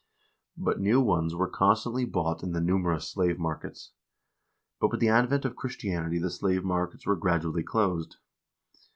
But new ones were constantly bought in the numerous slave markets. But with the advent of Christianity the slave markets were gradually closed.